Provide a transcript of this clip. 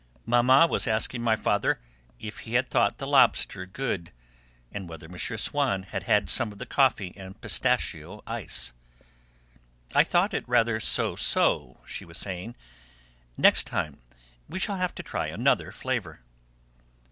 Mamma was asking my father if he had thought the lobster good, and whether M. Swann had had some of the coffee and pistachio ice. "I thought it rather so so," she was saying; "next time we shall have to try another flavour."